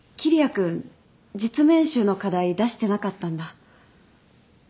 君実務演習の課題出してなかったんだ。